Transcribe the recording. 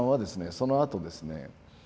そのあとですね。